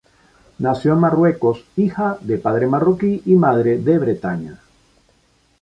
Nació en Marruecos, hija de padre marroquí y madre de Bretaña.